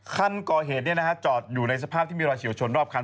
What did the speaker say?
คันก่อเหตุจอดอยู่ในสภาพที่มีรอยเฉียวชนรอบคัน